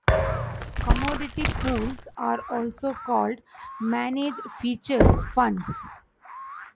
Commodity pools are also called "managed futures funds".